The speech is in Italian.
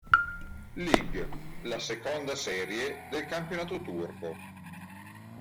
Lig, la seconda serie del campionato turco.